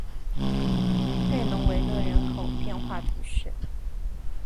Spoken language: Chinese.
佩龙维勒人口变化图示